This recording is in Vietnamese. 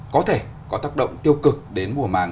có thể có tác động tiêu cực đến mùa màng